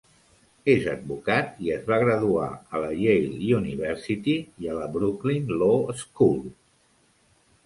És advocat i es va graduar a la Yale University i a la Brooklyn Law School.